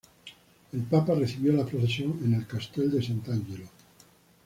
El Papa recibió la procesión en el Castel Sant'Angelo.